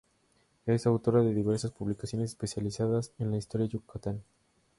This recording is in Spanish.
Es autora de diversas publicaciones especializadas en la historia de Yucatán.